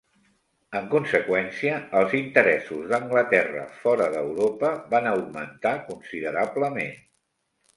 En conseqüència, els interessos d'Anglaterra fora d'Europa van augmentar considerablement.